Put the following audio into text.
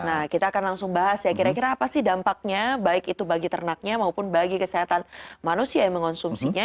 nah kita akan langsung bahas ya kira kira apa sih dampaknya baik itu bagi ternaknya maupun bagi kesehatan manusia yang mengonsumsinya